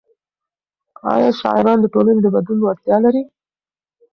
ايا شاعران د ټولنې د بدلون وړتیا لري؟